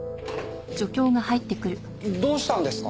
どうしたんですか？